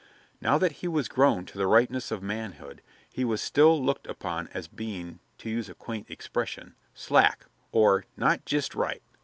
Now that he was grown to the ripeness of manhood he was still looked upon as being to use a quaint expression "slack," or "not jest right."